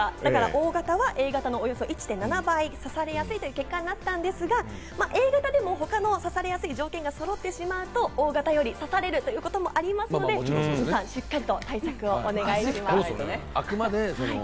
Ｏ型はＡ型のおよそ１．７倍、刺されやすいという結果になったんですが、Ａ型の方でも他の刺されやすい条件が揃ってしまうとＯ型の方より刺されてしまうことがあるので、対策をお願いします。